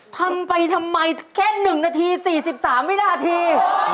ทำไปทำไมแค่๑นาที๔๓วินาที